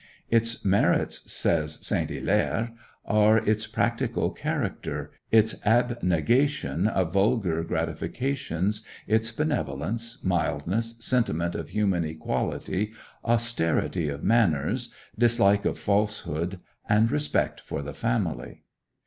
Its merits, says Saint Hilaire, are its practical character, its abnegation of vulgar gratifications, its benevolence, mildness, sentiment of human equality, austerity of manners, dislike of falsehood, and respect for the family.